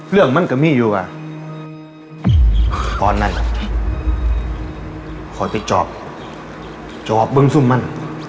เรื่องมันก็มีอยู่อ่ะตอนนั้นคอยไปจอบจอบบึงซุ่มมัน